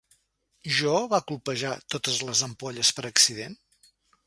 Jo va colpejar totes les ampolles per accident?